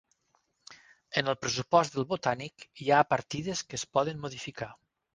En el pressupost del Botànic hi ha partides que es poden modificar.